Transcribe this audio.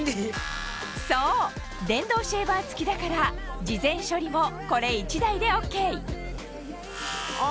そう電動シェーバー付きだから事前処理もこれ１台でＯＫあ